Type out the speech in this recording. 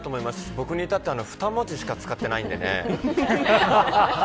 僕に至っては二文字しか使っていないんでね。